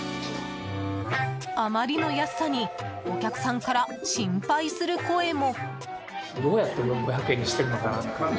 あまりの安さにお客さんから心配する声も。